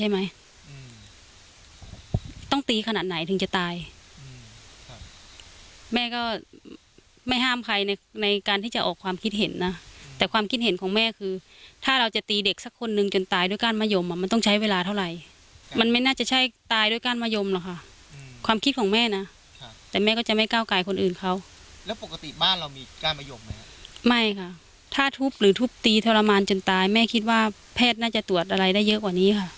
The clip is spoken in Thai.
มีก้านมะยมไหมฮะไม่ค่ะถ้าทุบหรือทุบตีทรมานจนตายแม่คิดว่าแพทย์น่าจะตรวจอะไรได้เยอะกว่านี้ค่ะอืมแม่ก็ยังเชื่อคำของแพทย์ค่ะ